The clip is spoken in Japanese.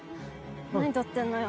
何撮ってんのよ